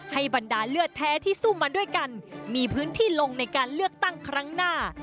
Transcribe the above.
บรรดาเลือดแท้ที่สู้มาด้วยกันมีพื้นที่ลงในการเลือกตั้งครั้งหน้า